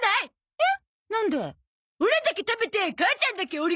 えっ？